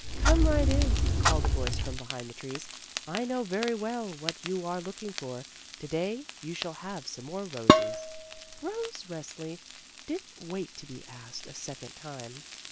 "Come right in," called a voice from behind the trees; "I know very well what you are looking for; to day you shall have some more roses." Rose Resli didn't wait to be asked a second time.